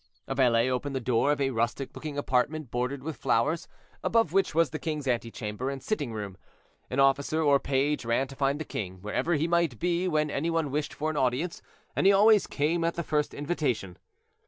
A valet opened the door of a rustic looking apartment bordered with flowers, above which was the king's antechamber and sitting room. An officer or page ran to find the king, wherever he might be when any one wished for an audience, and he always came at the first invitation.